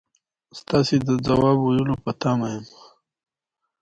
د پښتو ژبې د بډاینې لپاره پکار ده چې رسمي ژبه روانه شي.